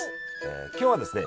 今日はですね